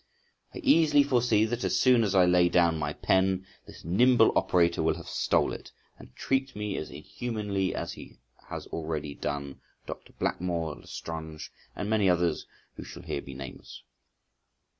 I easily foresee that as soon as I lay down my pen this nimble operator will have stole it, and treat me as inhumanly as he has already done Dr. Blackmore, Lestrange, and many others who shall here be nameless.